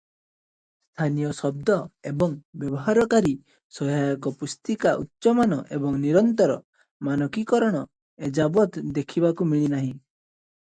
ସ୍ଥାନୀୟ ଶବ୍ଦ ଏବଂ ବ୍ୟବହାରକାରୀ ସହାୟକ ପୁସ୍ତିକା ଉଚ୍ଚ ମାନ ଏବଂ ନିରନ୍ତର ମାନକୀକରଣ ଏଯାବତ ଦେଖିବାକୁ ମିଳିନାହିଁ ।